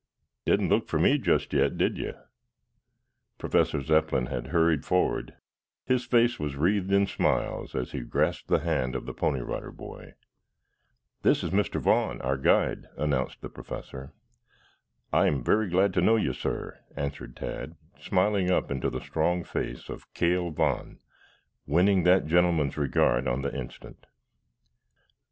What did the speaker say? "Didn't look for me just yet, did you?" Professor Zepplin had hurried forward; his face was wreathed in smiles as he grasped the hand of the Pony Rider Boy. "This is Mr. Vaughn, our guide," announced the Professor. "I am very glad to know you, sir," answered Tad, smiling up into the strong face of Cale Vaughn, winning that gentleman's regard on the instant.